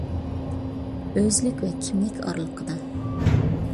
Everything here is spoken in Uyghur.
ئۆزلۈك ۋە كىملىك ئارىلىقىدا.